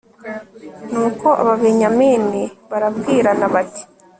nuko ababenyamini barabwirana bati